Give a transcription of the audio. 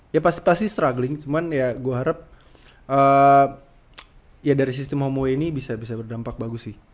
ya pasti pasti struggling cuman ya gue harap ya dari sistem homoy ini bisa berdampak bagus sih